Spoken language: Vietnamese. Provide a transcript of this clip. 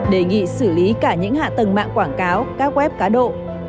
đề nghị xử lý cả những hạ tầng mạng quảng cáo các web cá độ